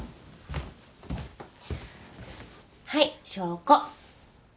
はい証拠。